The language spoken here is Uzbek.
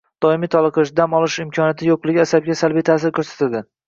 Doimiy toliqish, dam olish imkoniyati yo‘qligi asabga salbiy ta’sir ko‘rsatadi.